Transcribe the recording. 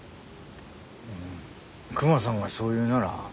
うんクマさんがそう言うなら。